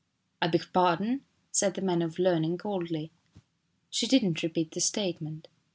" I beg pardon ?" said the man of learning coldly. She did not repeat the statement.